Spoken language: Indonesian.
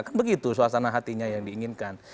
kan begitu suasana hatinya yang diinginkan